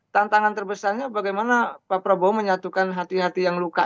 tantangan terbesarnya bagaimana pak prabowo menyatukan hati hati yang luka